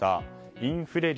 インフレ率